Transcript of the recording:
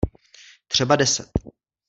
Třeba deset.